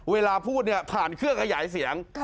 เวลาพูดเนี่ยผ่านเครื่องขยายเสียง